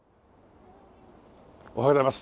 おはようございます。